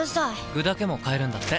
具だけも買えるんだって。